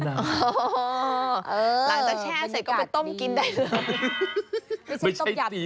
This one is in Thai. อ๋อหลังจากแช่เสร็จก็ไปต้มกินได้เลยบรรยากาศดี